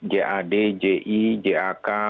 jad ji jak